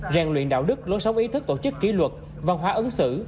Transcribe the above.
ràng luyện đạo đức lối sống ý thức tổ chức kỷ luật và hóa ứng xử